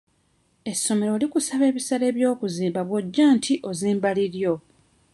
Essomero likusaba ebisale by'okuzimba bw'ojja nti ozimba liryo.